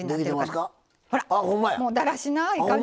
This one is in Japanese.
ほらもうだらしない感じ。